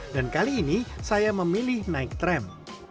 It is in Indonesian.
dan kali ini saya memilih naik tram